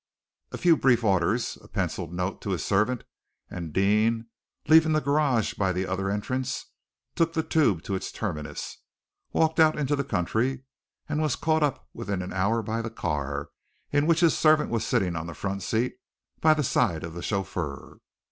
A few brief orders, a pencilled note to his servant, and Deane, leaving the garage by the other entrance, took the Tube to its terminus, walked out into the country, and was caught up within an hour by the car, in which his servant was sitting on the front seat by the side of the chauffeur.